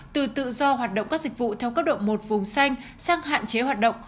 từ tự do hoạt động các dịch vụ theo cấp độ một vùng xanh sang hạn chế hoạt động